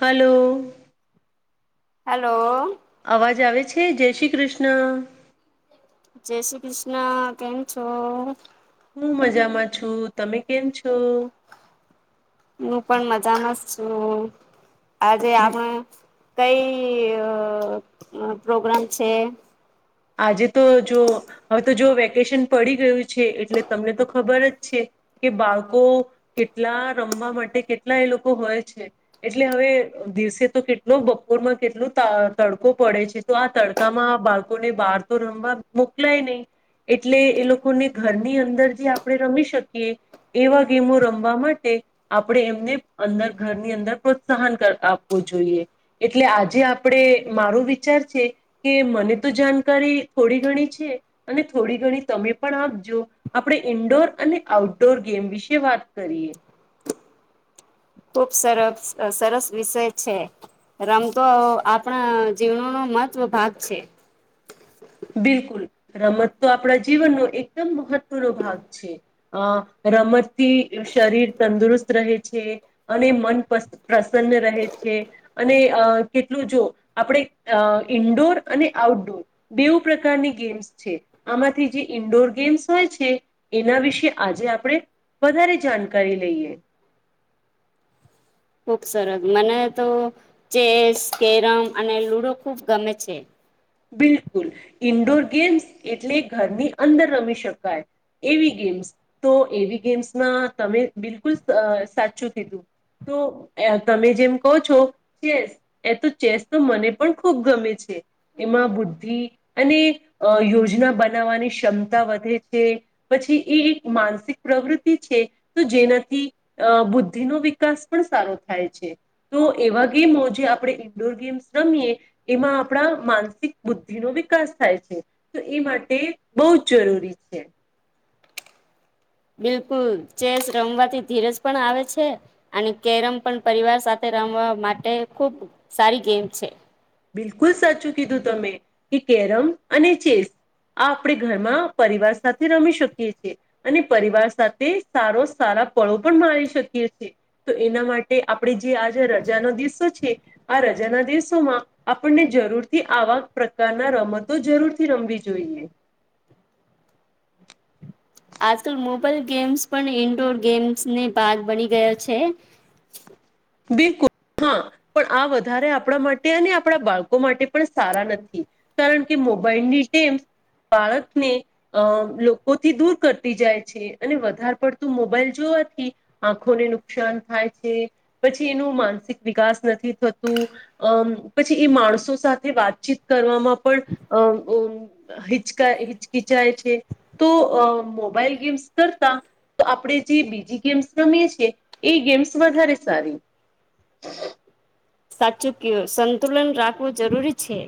Hello hello અવાજ આવે છે જય શ્રી કૃષ્ણ જય શ્રી કૃષ્ણ કેમ છો હું મજામાં છું તમે કેમ છો? હું પણ મજામાં જ છું આજે આપણા કઈ પ્રોગ્રામ છે આજે તો જો હવે તો જો વેકેશન પડી ગયું છે એટલે તમને તો ખબર જ છે, કે બાળકો કેટલા રમવા માટે કેટલા એ લોકો હોય છે, એટલે હવે દિવસે તો કેટલો બપોરમાં કેટલો તડકો પડે છે, તો આ તડકામાં બાળકો [unintelligible] બાર તો રમવા મોકલાય નહી એટલે એ લોકોને ઘરની અંદર જે આપણે રમી શકીએ એવા ગેમો રમવા માટે આપણે એમને અંદર ઘરની અંદર પ્રોત્સાહન આપવું જોઈએ એટલે આજે આપણે મારો વિચાર છે, કે મને તો જાણકારી થોડી ઘણી છે, અને થોડી ઘણી તમે પણ આપજો આપણે ઈન્ડોર અને આઉટડોર ગેમ વિશે વાત કરીએ. ખુબ સરસ સરસ વિષય છે, રમતો આપણા [unintelligible] મહત્વ ભાગ છે. બિલકુલ રમત તો આપણા જીવનનો એકદમ મહત્વનો ભાગ છે, અ રમતથી શરીર તંદુરસ્ત રહે છે, અને મન પ્રસન્ન રહે છે, અને અ કેટલું જો આપણે ઇન્ડોર અને આઉટડોર બેવ પ્રકારની ગેમ્સ છે, આમાંથી જે ઈન્ડોર ગેમ્સ હોય છે, એના વિશે આજે આપણે વધારે જાણકારી લઈએ. ખુબ સરસ, મને તો ચેસ કેરમ અને લુડો ખુબ ગમે છે. બિલકુલ ઈન્ડોર ગેમ્સ એટલે ઘરની અંદર રમી શકાય એવી ગેમ્સ તો એવી ગેમ્સમાં તમે બિલકુલ સાચું કીધું તો તમે જેમ કહો છો [unintelligible] ચેસ એ તો ચેસ તો મને પણ ખૂબ ગમે છે. એમાં બુદ્ધિ અને યોજના બનાવવાની ક્ષમતા વધે છે, પછી એ એક માનસિક પ્રવૃત્તિ છે, તો જેનાથી બુદ્ધિનોો વિકાસ પણ સારો થાય છે, તો એવા ગેમો જે આપણે ઈન્ડોર ગેમ્સ રમીએ એમાં આપણા માનસિક બુદ્ધિ નો વિકાસ થાય છે, તો એ માટે [unintelligible] જ જરૂરી છે. બિલકુલ ચેસ રમવાથી ધીરજ પણ આવે છે, અને કેરમ પણ પરિવાર સાથે રમવા માટે ખુબ સારી ગેમ છે. બિલકુલ સાચું કીધું તમે કે કેરમ અને ચેસ આ આપણે ઘરમાં પરિવાર સાથે રમી શકીએ છીએ અને પરિવાર સાથે સારો સારા પળો પણ મારી શકીએ છીએ. તો એના માટે આપણે જે આજે રજાનો દિવસો છે, આ રજાના દિવસોમાં આપણને જરૂરથી આવા પ્રકારના રમતો જરૂરથી રમવી જોઈએ. આજકાલ મોબાઈલ ગેમ્સ પણ ઇન્ડોર ગેમ્સને ભાગ બની ગયો છે. બિલકુલ હા પણ આ વધારે આપણા માટે અને આપણા બાળકો માટે પણ સારા નથી કારણ કે મોબાઈલની ગેમ્સ બાળકને અ લોકોથી દૂર કરતી જાય છે, અને વધારે પડતું મોબાઈલ જોવાથી આંખોને નુકસાન થાય છે. પછી એનું માનસિક વિકાસ નથી થતું અ પછી એ માણસો સાથે વાતચીત કરવામાં પણ [unintelligible] હિચકિચાય છે, તો મોબાઈલ ગેમ્સ કરતા આપણે જે બીજી ગેમ્સ રમીએ છીએ એ ગેમ્સ વધારે સારી. સાચું [unintelligible] સંતુલન રાખવું જરૂરી છે.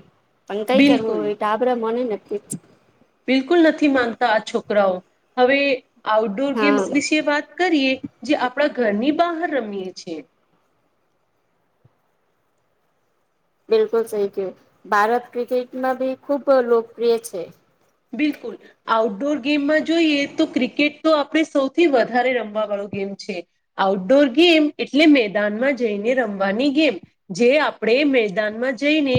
પણ કઈ બિલકુલ કરવું એ ટાબ્ર મને ને [inaudible] બિલકુલ નથી માનતા આ છોકરાઓ હવે આઉટડોર ગેમ્સ હા વિશે વાત કરીએ? જે આપણા ઘરની બહાર રમીએ છીએ. બિલકુલ સહી કયું ભારત ક્રિકેટમાં બી ખૂબ લોકપ્રિય છે. બિલકુલ આઉટડોર ગેમમાં જોઈએ તો ક્રિકેટ તો આપણે સૌથી વધારે રમવા વાળો ગેમ છે, આઉટડોર ગેમ એટલે મેદાનમાં જઈને રમવાની ગેમ જે આપણે મેદાનમાં જઈને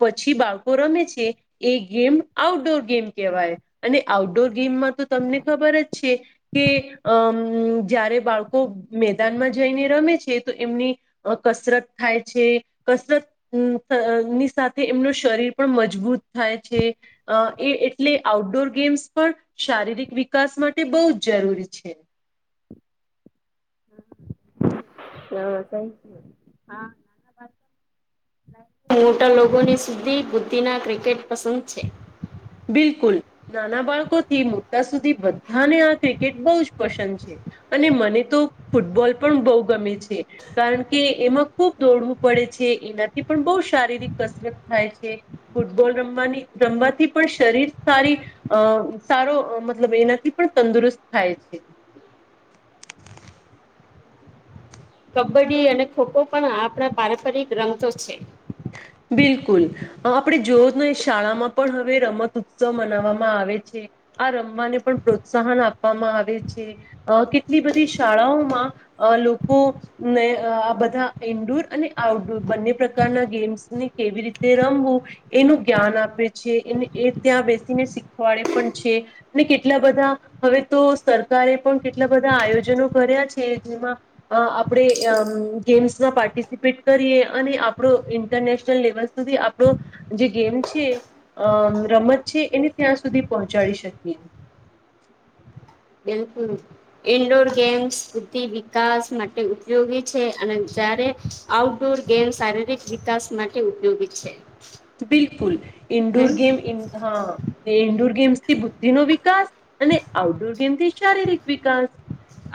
પછી બાળકો રમે છે, એ ગેમ આઉટડોર. ગેમ કેહેવાય અને આઉટડોર ગેમમાં તો તમને ખબર જ છે કે અ જ જ્યારે બાળકો મેદાનમાં જઈને રમે છે તો એમની કસરત થાય છે, કસરત ની સાથે એમનું શરીર પણ મજબૂત થાય છે, અ એ એટલે આઉટડોર ગેમ્સ પણ શારીરિક વિકાસ માટે બહુ જ જરૂરી છે. હ, થેન્ક્યુ, હાઆભાર મોટા લોકોની સુધી બુદ્ધિના ક્રિકેટ પસંદ છે. બિલકુલ નાના બાળકોથી મુદ્દા સુધી બધાને આ ક્રિકેટ બહુ જ પસંદ છે, અને મને તો ફૂટબોલ પણ બહુ ગમે છે, કારણ કે એમાં ખૂબ દોડવું પડે છે, એનાથી પણ બહુ શારીરિક કસરત થાય છે, ફૂટબોલ રમવાની રમવાથી. પણ શરીર સારી અ સારો મતલબ એનાથી પણ તંદુરસ્ત થાય છે. કબડ્ડી અને ખોખો પણ આપણા પારંપરિક રંમતો છે બિલકુલ આપણે જોવ શાળામાં પણ હવે રમત ઉત્સવ મનાવવામાં આવે છે. આ રમવાને પણ પ્રોત્સાહન આપવામાં આવે છે કેટલી બધી શાળાઓમાં લોકો ને આ બધા ઈન્ડોર અને આઉટડોર બંને પ્રકારના ગમ્ કેવી રીતે રમવું એનું જ્ઞાન આપે છે, એ એ ત્યાં બેસીને શીખવાડે પણ છે, ને કેટલા બધા હવે તો સરકારે પણ કેટલા બધા આયોજનો કર્યા છે, જેમાં આપણેે ગેમ્સમાં પાર્ટિસિપેટ કરીએ અને આપણો. ઇન્ટરનેશનલ લેવલ સુધી આપણો જે ગેમ છે, રમત છે, એને ત્યાં સુધી પહોંચાડી શકીએ. ઇન્ડોર ગેમ્સ બુદ્ધિ વિકાસ માટે ઉપયોગી છે, અને જ્યારે આઉટડોર ગેમ્સ શારીરિક વિકાસ માટે ઉપયોગી છે. બિલકુલ હે ઇન્ડોર ગેમ્સ હા ન્ડોર ગેમ્સ થી બુદ્ધિ નો વિકાસ અને આઉટડોર ગેમથી શારીરિક વિકાસ,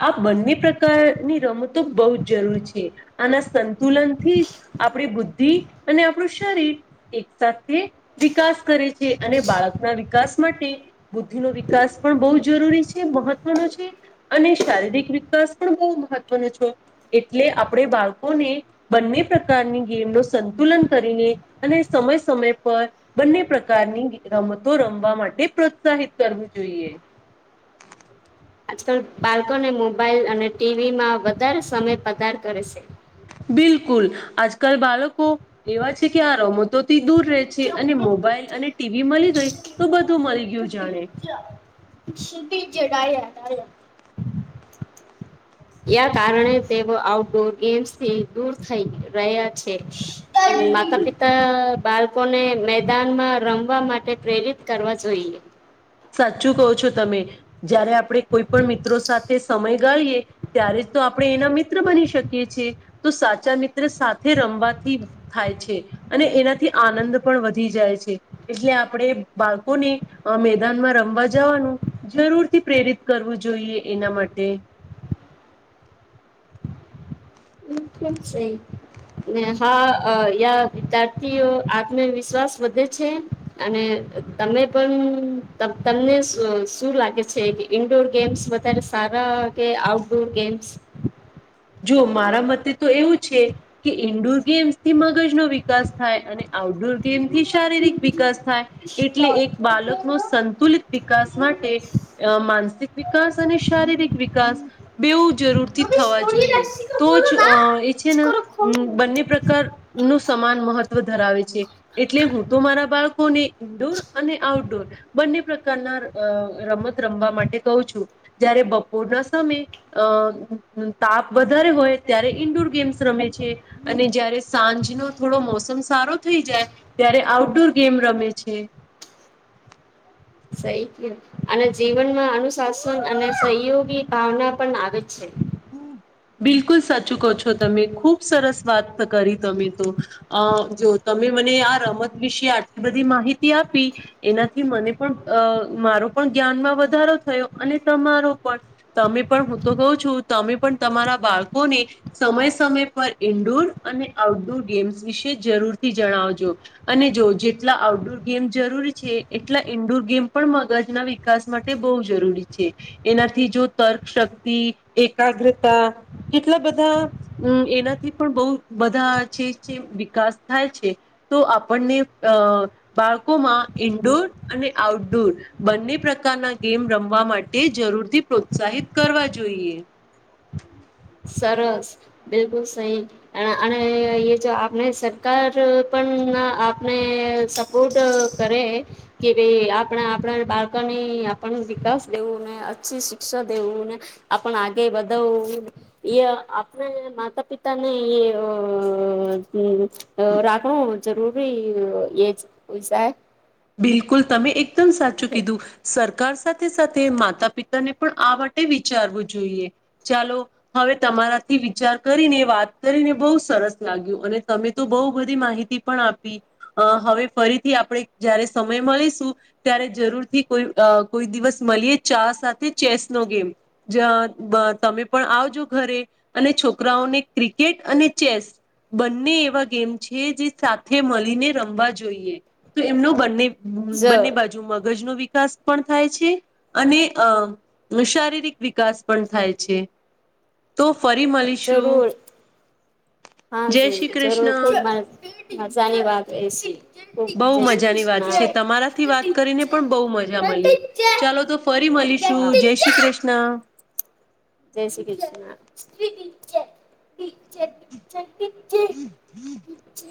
આ બંને પ્રકારની રમતો બહુ જ જરૂર છે આના સંતુલન થી જ આપણી બુદ્ધિ અને આપણું શરીર એક સાથે વિકાસ કરે છે અને બાળકના વિકાસ માટે બુદ્ધિનો વિકાસ પણ બહુ જરૂરી છે, મહત્વનો છે, અને શારીરિક વિકાસ પણ બહુ મહત્વનો છે, એટલે આપણે બાળકોને બંને પ્રકારની ગેમ ન સંતુલન કરીને. અને સમય સમય પર બંને પ્રકારની રમતો રમવા માટે પ્રોત્સાહિત કરવું જોઈએ. આજકાલ બાળકોને મોબાઈલ અને ટીવી માં વધારે સમય પધાર કરે છે. બિલકુલ આજકાલ બાળકો એવા છે, કે આ રમતો તો દૂર રહે છે, અને મોબાઈઇલ અને. ટીવી મળી ગઈ તો બધ [unintelligible] [unintelligible] યા કારણે તેઓ આઉટડોર ગેમ્સ થી દૂર થઈ રહ્યા છે. માતા બિલકુલ પિતા બાર [unintelligible] લોકોને મેદાનમાં રમવા માટે પ્રેરિત કરવા જોઈએ. સાચું કો છો તમે જયારે આપણે કોઈ પણ મિત્રો સાથે સમય ગાડીએ ત્યારે જ તો આપણે એના મિત્ર બની શકીએ [unintelligible] તો સાચા મિત્ર સાથે રમવાથી થાય છે અને એનાથી આનંદ પણ વધી જાય છે, એટલે આપણે બાળકોને મે [unintelligible] રમવા જવાનું જરૂરથી પ્રેરિત કરવું જોઈએ એના માટે બિલકુલ સહિ મેં [unintelligible] યા [unintelligible] આત્મવિશ્વાસ વધે છે, અને તમે પણ તમને [unintelligible] શું લાગે છે, ઈન્ડોર ગેમ્સ વધારે સારા કે આઉટડોર ગેમ્સ જો મારા મતે તો એવું છે, કે ઈન્ડોર ગેમ્સ થી [unintelligible] વિકાસ થાય અને આઉટડોર કેમથી શારીરિક વિકાસ થાય એટલે એક બાળકનોો સંતુલિત વિકાસ માટે માનસિક વિકાસ અને શારીરિક વિકાસ બેવું જરૂરથી થવા જોઈએ તો જ એ છે, ને બંને પ્રકારનું સમાન મહત્વ ધરાવે છે. એટલે હું તો મારા બાળકોને ઇન્ડોર અને આઉટડોર બંને પ્રકાર [unintelligible] રમત રમવા માટે કહું છું, [unintelligible] બપોરના સમય અ તાપ વધારે હોય ત્યારે ઈન્ડોર ગેમ્સ રમે છે, અને જયારે સાંજનો થોડો મોસમ સારો થઈ જાય ત્યારે આઉટડોર ગેમ રમે છે. [unintelligible] અને જીવનમાં અનુશાસન અને સહયોગી ભાવના પણ આવે છે. બિલકુલ સાચું કહો છો તમે ખુબ સરસ વાત કરી તમે તો જો તમે મને આ રમત વિશે આટલી બધી માહિતી આપી એનાથી મને પણ મારો પણ જ્ઞાનમાં વધારો થયો અને તમારો પણ તમે પણ હું તો કહું છું. તમે પણ તમારા બાળકોને સમય સમય પર ઈન્ડોર અને આઉટડોર ગેમ્સ વિશે જરૂરથી જણાવજો અને જો જેટલા આઉટડોર ગેમ્ જરૂરી છે, એટલા ઈન્ડોર ગેમ પણ મગજના વિકાસ માટે બહુ જરૂરી છે એનાથી જો તર્ક શક્તિ એકાગ્રતા કેટલા બધા એનાથી પણ બહુ બધા છે, વિકાસ થાય છે, તો આપણને અ બાળકોમાં ઈન્ડોર અને આઉટડોર બંને પ્રકારના ગેમ રમવા માટે જરૂરથી પ્રોત્સાહિત કરવા જોઈએ. સરસ બિલકુલ સહી અને [unintelligible] જો આપણે સરકાર પણ આપને સપોર્ટ કરે કે [unintelligible] આપણે આપણા બાળકોની આપણ વિકાસ દેવું ને અચ્છી શિક્ષા દેવું ને આપણ આગે વધવવું [unintelligible] આપણે માતા પિતાને [inaudible] અ [unintelligible] જરૂરી [inaudible] એ જ પૈસા બિલકુલ તમે એક [unintelligible] સાચું કીધું સરકાર સાથે સાથે માતા પિતા ને પણ આ માટે વિચારવું જોઈએ ચાલો હવે તમારાથી વિચાર કરીને વાત કરીને બહુ સરસ લાગ્યું અને તમે તો [unintelligible] બધી માહિતી પણ આપી હવે ફરીથી આપણે જયારે સમય મળીશું ત્યારે જરૂરથી કોઈ કોઈ દિવસ મળીએ ચા સાથે ચેસ નો ગેમ તમે પણ આવજો ઘરે અને છોકરાઓને ક્રિકેટ અને ચેસ બંને એવા ગેમ છે, જે સાથે મળીને રમવા જોઈએ. તો એમનો બંને બંને બાજુ મગજનું [inaudible] વિકાસ પણ થાય છે, અને અ શારીરિક વિકાસ પણ થાય છે. તો ફરી મળીશું જરૂર હા જય શ્રી [unintelligible] જરૂર ખુબ કૃષ્ણ મજાની વાત રહી છે. બહુ મજાની વાત છે, તમારાથી વાત કરીને પણ બહુ મજા મળી ચાલો તો ફરી મળીશું જય શ્રી કૃષ્ણ. જય શ્રી કૃષ્ણ. [inaudible]